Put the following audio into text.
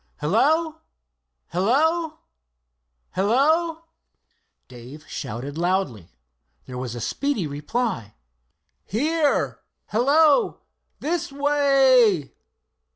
Hello! Hello! Hello!" Dave shouted loudly. There was a speedy reply. "Here! Hello! this wa aa ay!"